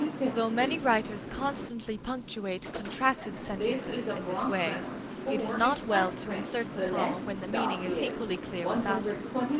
Though many writers constantly punctuate contracted sentences in this way, it is well not to insert the comma when the meaning is equally clear without it.